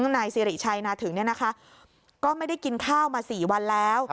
นายสิริชัยมาถึงเนี่ยนะคะก็ไม่ได้กินข้าวมา๔วันแล้ว